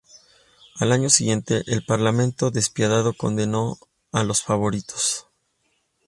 Al año siguiente, el Parlamento Despiadado condenó a los favoritos.